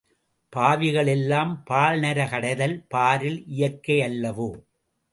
பாவிகள் எல்லாம் பாழ்நர கடைதல் பாரில் இயற்கையல்லவோ?